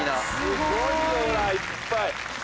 すごいよほらいっぱい。